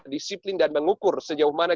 disiplin dan mengukur sejauh mana